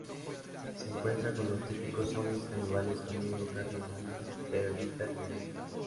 Se encuentra con los típicos zombis caníbales comiendo carne humana, pero evita el conflicto.